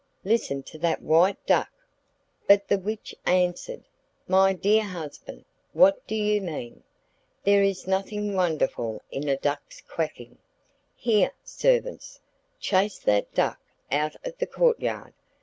Listen to that White Duck.' But the witch answered, 'My dear husband, what do you mean? There is nothing wonderful in a duck's quacking. Here, servants! Chase that duck out of the courtyard.